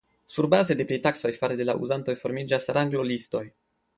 Surbaze de pritaksoj fare de la uzantoj formiĝas ranglolistoj.